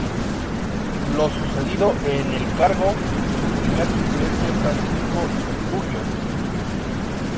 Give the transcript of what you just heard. Lo sucedió en el cargo su primer suplente Francisco Centurión.